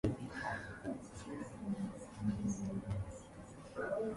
This article deals with the Belfast borough constituencies.